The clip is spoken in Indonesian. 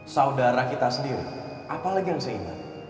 saudara kita sendiri apalagi yang seingat